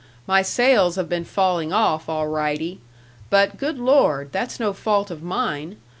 My sales have been falling off, all rightee. But, good Lord! that's no fault of mine.